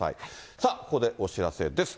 さあ、ここでお知らせです。